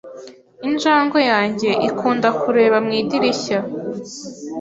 Injangwe yanjye ikunda kureba mu idirishya.